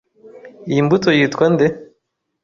Iyi mbuto yitwa nde?